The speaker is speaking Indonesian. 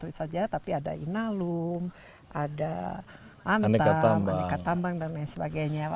sebut saja tapi ada inalum ada antam aneka tambang dan lain sebagainya